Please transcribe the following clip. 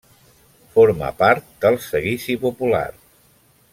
Forma part del Seguici Popular.